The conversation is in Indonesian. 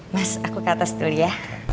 mas aku ke atas dulu ya